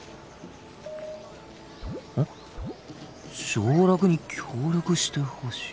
上洛に協力してほしい。